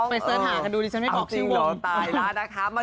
ไปเสิร์ชหาดูดิฉันไม่บอกชื่อวง